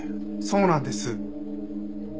そうなんです。